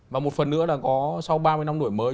và một phần nữa là có sau ba mươi năm đổi mới